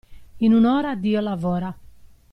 In un'ora Dio lavora.